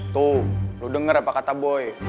tuh lo denger apa kata boy